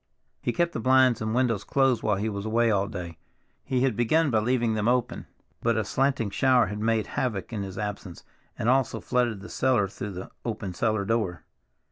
He kept the blinds and windows closed while he was away all day; he had begun by leaving them open, but a slanting shower had made havoc in his absence and also flooded the cellar through the open cellar door.